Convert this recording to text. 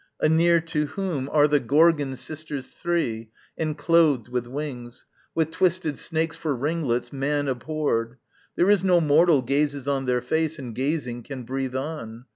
Anear to whom Are the Gorgon sisters three, enclothed with wings, With twisted snakes for ringlets, man abhorred: There is no mortal gazes in their face And gazing can breathe on.